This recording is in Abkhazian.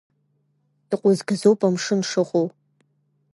Иҟәызгаӡоуп амш шыҟоу.